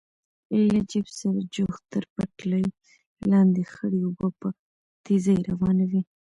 له جېپ سره جوخت تر پټلۍ لاندې خړې اوبه په تېزۍ روانې وې.